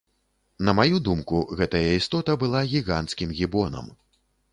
На маю думку гэтая істота была гіганцкім гібонам.